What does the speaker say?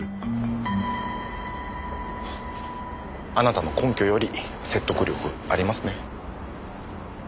あなたの根拠より説得力ありますね。